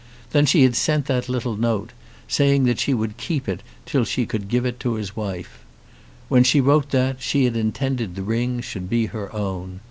Then she had sent that little note, saying that she would keep it till she could give it to his wife. When she wrote that she had intended the ring should be her own.